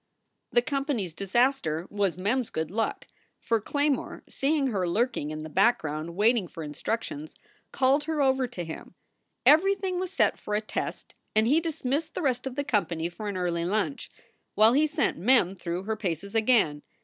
The company s disaster was Mem s good luck, for Clay more, seeing her lurking in the background waiting for instructions, called her over to him. Everything was set for a test and he dismissed the rest of the company for an early lunch, while he sent Mem through her paces again.